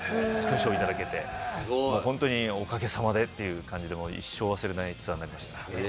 勲章をいただけて、本当におかげさまでという感じの、一生忘れられないツアーになりました。